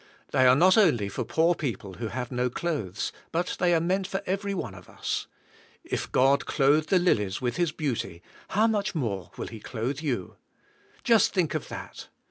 They are not only for poor people who have no clothes, but they are meant for every one of us. If God clothe the lilies with His beauty how much more will He clothe you ? Just think of that.